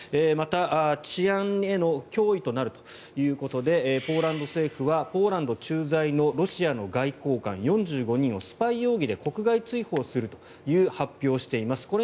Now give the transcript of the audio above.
また、治安への脅威となるということでポーランド政府はポーランド駐在のロシアの外交官４５人をスパイ容疑で国外追放するという発表をしています。